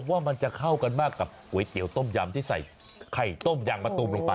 ว่ามันจะเข้ากันมากกับก๋วยเตี๋ยวต้มยำที่ใส่ไข่ต้มยำมะตูมลงไป